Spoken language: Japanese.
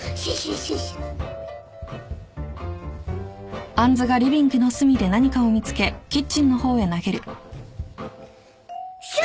シュッ！